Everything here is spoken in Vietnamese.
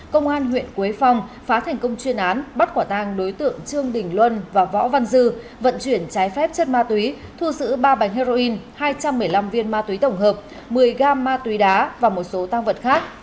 công an huyện quế phong phá thành công chuyên án bắt quả tang đối tượng trương đình luân và võ văn dư vận chuyển trái phép chất ma túy thu giữ ba bánh heroin hai trăm một mươi năm viên ma túy tổng hợp một mươi gam ma túy đá và một số tăng vật khác